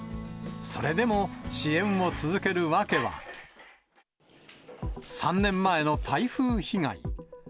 それでも、支援を続ける訳は、３年前の台風被害。